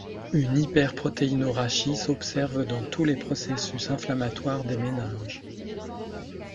Une hyperprotéinorachie s'observe dans tous les processus inflammatoires des méninges.